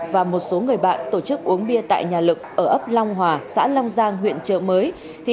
và một số người bạn tổ chức uống bia tại nhà lực ở ấp long hòa xã long giang huyện trợ mới